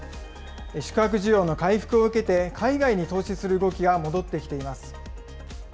宿泊需要の回復を受けて、海外に投資する動きが戻ってきています。